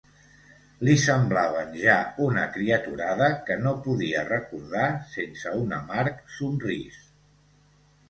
Li semblaven ja una criaturada que no podia recordar sense un amarg somrís.